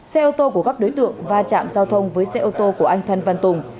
xe ô tô của các đối tượng va chạm giao thông với xe ô tô của anh thân văn tùng